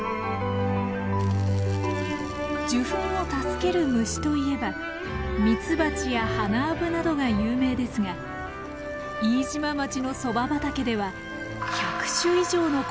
受粉を助ける虫といえばミツバチやハナアブなどが有名ですが飯島町のソバ畑では１００種以上の昆虫が観察されています。